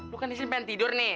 lu kan di sini pengen tidur nih